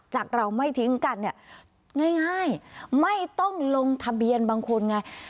เราไม่ทิ้งกันเนี่ยง่ายไม่ต้องลงทะเบียนบางคนไง